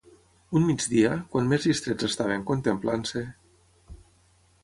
Un migdia, quan més distrets estaven contemplant-se...